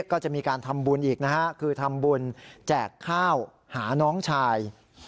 ก็จะมีการทำบุญอีกนะฮะคือทำบุญแจกข้าวหาน้องชาย